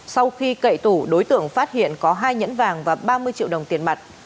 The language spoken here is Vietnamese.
sau khi cậy tủ đối tượng phát hiện có hai nhẫn vàng và ba mươi triệu đồng tiền mặt